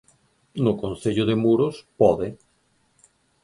No concello de Muros, pode.